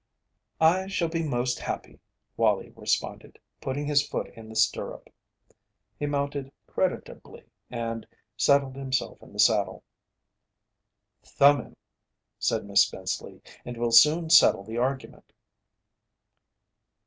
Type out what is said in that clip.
"I shall be most happy," Wallie responded, putting his foot in the stirrup. He mounted creditably and settled himself in the saddle. "Thumb him," said Miss Spenceley, "and we'll soon settle the argument."